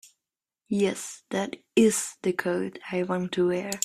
Yes, that IS the coat I want to wear.